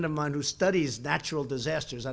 dia mengatakan tsunami adalah yang paling teruk